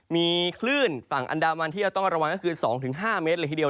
มีคลื่นฝั่งอันดามันที่จะต้องระวังก็คือ๒๕เมตรเลยทีเดียว